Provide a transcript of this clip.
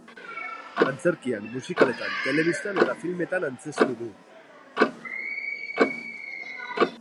Antzerkian, musikaletan, telebistan eta filmetan antzeztu du.